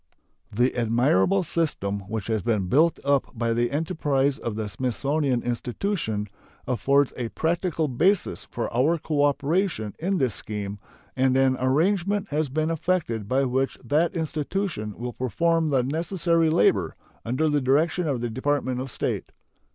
The admirable system which has been built up by the enterprise of the Smithsonian Institution affords a practical basis for our cooperation in this scheme, and an arrangement has been effected by which that institution will perform the necessary labor, under the direction of the Department of State.